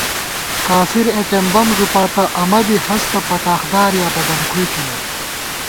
کافَراېٹم بم ݫُپاتہ، امَنہ بی ہستہ پٹاخدار یا بدَمکُھوئی ݪِمېت